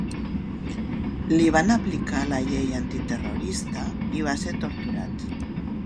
Li van aplicar la llei antiterrorista i va ser torturat.